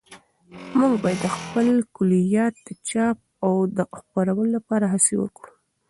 موږ باید د هغه د کلیات د چاپ او خپرولو لپاره هڅې وکړو.